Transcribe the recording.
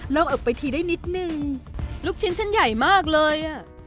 ลองเอาไปทีได้นิดหนึ่งลูกชิ้นฉันใหญ่มากเลย